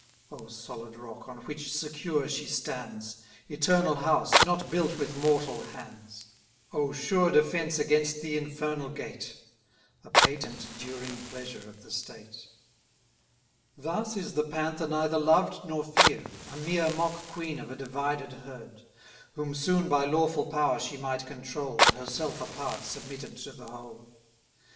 Oh, solid rock, on which secure she stands! Eternal house, not built with mortal hands! Oh, sure defence against the infernal gate, A patent during pleasure of the state! Thus is the Panther neither loved nor fear'd, A mere mock queen of a divided herd; Whom soon by lawful power she might control, Herself a part submitted to the whole.